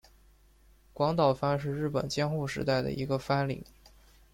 广岛藩是日本江户时代的一个藩领。